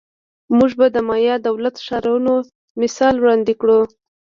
موږ به د مایا دولت ښارونو مثال وړاندې کړو